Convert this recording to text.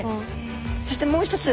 そしてもう一つ